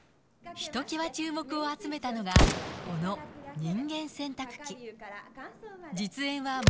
ひときわ注目を集めたのが、この人間洗濯機。